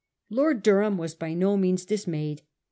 Lord Durham was by no means dis mayed.